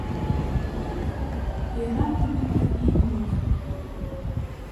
Йӧратыме таҥем дек.